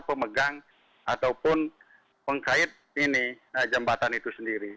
pemegang ataupun pengkait jembatan itu sendiri